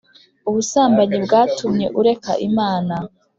ubusambanyi bwatumye ureka Imana